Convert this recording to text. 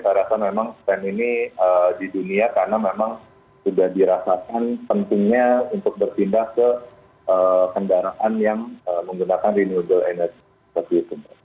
saya rasa memang trend ini di dunia karena memang sudah dirasakan pentingnya untuk berpindah ke kendaraan yang menggunakan renewable energy seperti itu